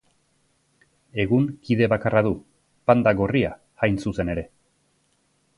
Egun kide bakarra du, panda gorria hain zuzen ere.